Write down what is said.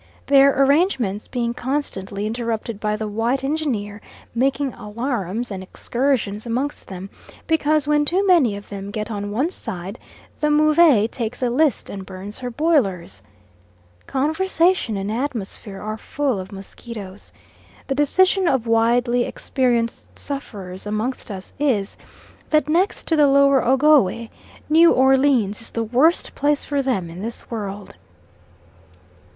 Their arrangements being constantly interrupted by the white engineer making alarums and excursions amongst them; because when too many of them get on one side the Move takes a list and burns her boilers. Conversation and atmosphere are full of mosquitoes. The decision of widely experienced sufferers amongst us is, that next to the lower Ogowe, New Orleans is the worst place for them in this world.